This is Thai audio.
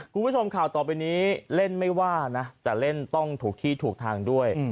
คุณผู้ชมข่าวต่อไปนี้เล่นไม่ว่านะแต่เล่นต้องถูกที่ถูกทางด้วย